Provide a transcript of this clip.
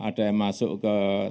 ada yang masuk ke